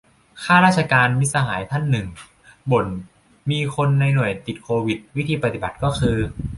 ข้าราชการ มิตรสหายท่านหนึ่ง บ่น มีคนในหน่วยติดโควิด วิธีปฏิบัติก็คือ